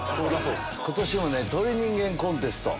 今年もね『鳥人間コンテスト』。